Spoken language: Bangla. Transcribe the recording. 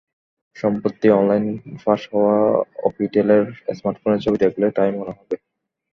সম্প্রতি অনলাইনে ফাঁস হওয়া অকিটেলের স্মার্টফোনের ছবি দেখলে তাই মনে হবে।